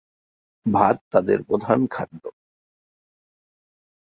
ভাত তাদের প্রধান খাদ্য।